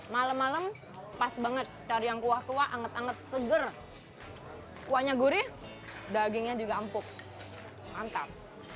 malam malam pas banget cari yang kuah kuah anget anget seger kuahnya gurih dagingnya juga empuk mantap